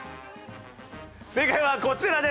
正解はこちらです。